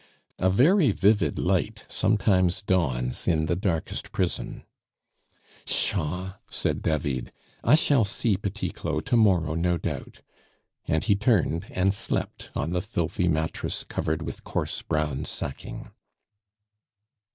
A very vivid light sometimes dawns in the darkest prison. "Pshaw!" said David; "I shall see Petit Claud to morrow no doubt," and he turned and slept on the filthy mattress covered with coarse brown sacking.